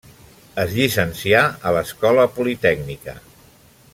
Es llicencià a l'Escola Politècnica.